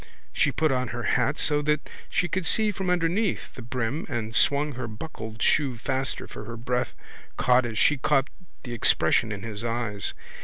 She put on her hat so that she could see from underneath the brim and swung her buckled shoe faster for her breath caught as she caught the expression in his eyes.